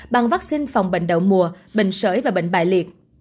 bằng vaccine phòng bệnh đậu mùa bệnh sởi và bệnh bại liệt